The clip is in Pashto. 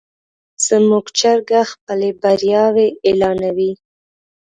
زموږ چرګه خپلې بریاوې اعلانوي.